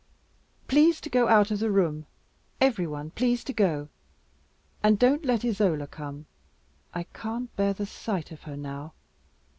"Please to go out of the room, every one please to go; and don't let Isola come. I can't bear the sight of her now.